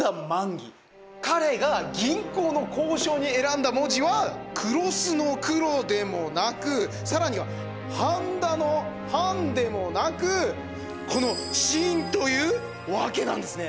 彼が銀行の行章に選んだ文字は黒須の「黒」でもなく更には繁田の「繁」でもなくこの「信」というわけなんですね。